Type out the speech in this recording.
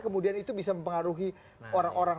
kemudian itu bisa mempengaruhi orang orang